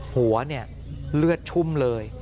หัวเนี่ยเลือดชุ่มเลย